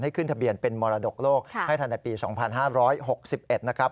ขึ้นทะเบียนเป็นมรดกโลกให้ทันในปี๒๕๖๑นะครับ